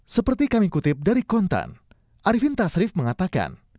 seperti kami kutip dari kontan arifin tasrif mengatakan